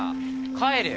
帰れよ。